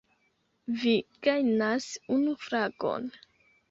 Vi gajnas unu fragon!